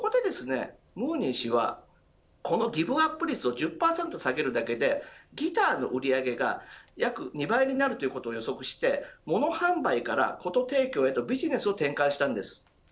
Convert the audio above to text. そこで、ムーニー氏はこのギブアップ率を１０％下げるだけでギターの売り上げが約２倍になることを予測してもの販売から、こと提供をビジネスへと展開したんです。